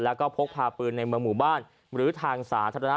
และพกพาปืนในเมืองหมู่บ้านอยู่ทางศาส่า